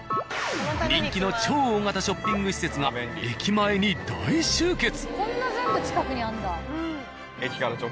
人気の超大型ショッピング施設が駅前に大集結。